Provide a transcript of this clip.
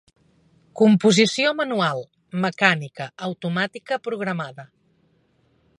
Composició manual, mecànica, automàtica, programada.